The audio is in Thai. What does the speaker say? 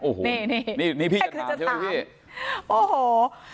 โอ้โหนี่พี่จะถามใช่ปะพี่